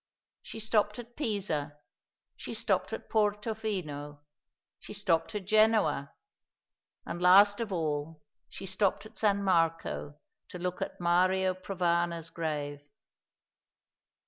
She stopped at Pisa, she stopped at Porto Fino, she stopped at Genoa; and last of all, she stopped at San Marco to look at Mario Provana's grave.